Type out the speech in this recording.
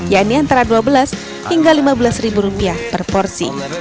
yakni antara dua belas hingga lima belas ribu rupiah per porsi